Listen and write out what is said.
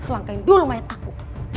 langkahin dulu mayat aku